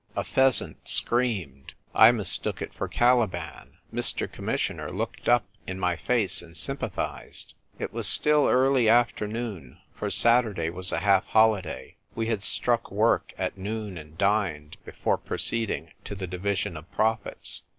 A pheasant screamed ; I mistook it for Cali ban. Mr. Commissioner looked up in my face and sympathised. It was still early afternoon ; for Saturday was a half holiday : we had struck work at noon, and dined, before proceeding to the division of profits.